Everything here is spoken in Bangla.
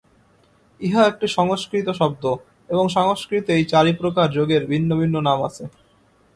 ইহা একটি সংস্কৃত শব্দ এবং সংস্কৃতে এই চারিপ্রকার যোগের ভিন্ন ভিন্ন নাম আছে।